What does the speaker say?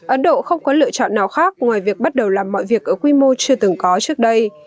ấn độ không có lựa chọn nào khác ngoài việc bắt đầu làm mọi việc ở quy mô chưa từng có trước đây